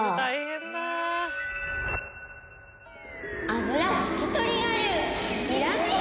油拭き取り我流